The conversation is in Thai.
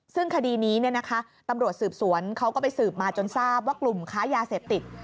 ซึ่งคดีนี้ตำรวจสืบสวนเขาก็ไปสืบมาจนทราบว่ากลุ่มค้ายาเสพติด